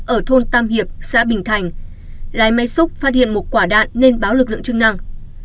ở thôn tam hiệp xã bình thành lái máy xúc phát hiện một quả đạn nên báo lực lượng chức năng